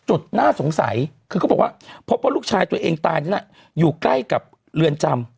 น่าสงสัยคือเขาบอกว่าพบว่าลูกชายตัวเองตายนั้นอยู่ใกล้กับเรือนจำ